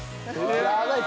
やばい。